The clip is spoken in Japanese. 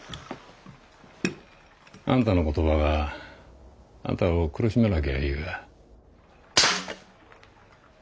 あんたの言葉があんたを苦しめなきゃいいが。